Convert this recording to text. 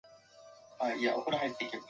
馬面の犬